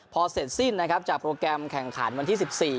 พอเสร็จสิ้นนะครับจากโปรแกรมแข่งขันวันที่๑๔